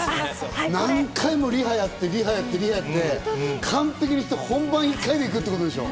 何回もリハやって、リハやって、完璧にして本番１回で行くってことでしょ？